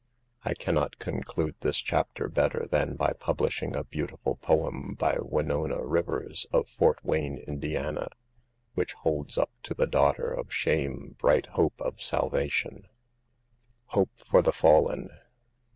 I can not conclude this chapter better than by publishing a beautiful poem by Winona Rivers, of Fort Wayne, Ind, which holds up to the daughter of shame bright hope of salva tion: HOPE FOR THE FALLEN.